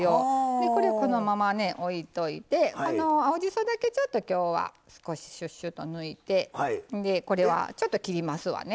でこれこのままねおいといてこの青じそだけちょっと今日は少しシュッシュッと抜いてこれはちょっと切りますわね。